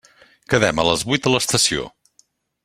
Quedem a les vuit a l'estació.